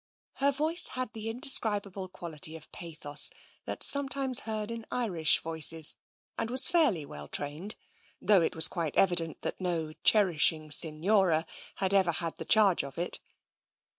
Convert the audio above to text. Her voice had the indescribable quality of pathos that is sometimes heard in Irish voices, and was fairly well trained, though it was quite evi dent that no cherishing Signora had ever had the charge of it.